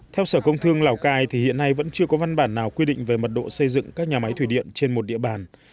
theo sở công thương lào cai thì hiện nay vẫn chưa có văn bản nào quy định về mật độ xây dựng các nhà máy thủy điện trên một địa bàn